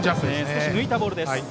少し抜いたボールです。